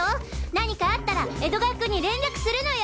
何かあったら江戸川君に連絡するのよ！